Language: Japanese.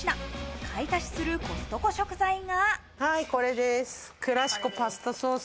買い足しするコストコ食材が。